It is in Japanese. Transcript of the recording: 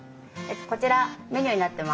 こちらメニューになってます。